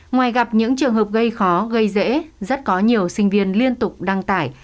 ngoài gặp những trường hợp gây khó gây dễ rất có nhiều sinh viên liên tục đăng tải